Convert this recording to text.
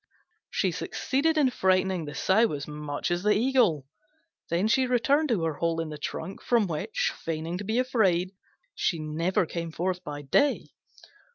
She succeeded in frightening the Sow as much as the Eagle. Then she returned to her hole in the trunk, from which, feigning to be afraid, she never came forth by day.